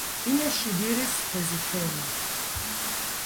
Fine ŝi diris heziteme: